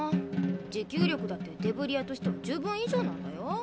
持久力だってデブリ屋としては十分以上なんだよ。